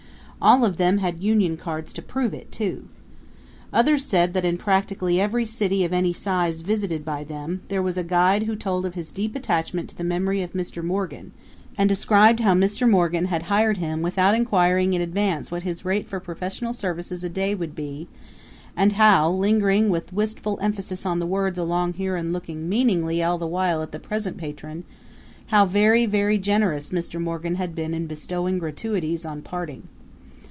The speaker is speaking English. All of them had union cards to prove it too. Others said that in practically every city of any size visited by them there was a guide who told of his deep attachment to the memory of Mr. Morgan, and described how Mr. Morgan had hired him without inquiring in advance what his rate for professional services a day would be; and how lingering with wistful emphasis on the words along here and looking meaningly the while at the present patron how very, very generous Mr. Morgan had been in bestowing gratuities on parting.